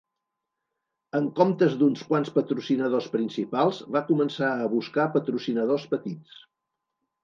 En comptes d'uns quants patrocinadors principals, va començar a buscar patrocinadors petits.